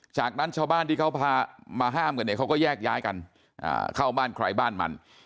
จากนั้นชาวบ้านที่เขาพามาห้ามกันเนี่ยเขาก็แยกย้ายกันเข้าบ้านใครบ้านมัน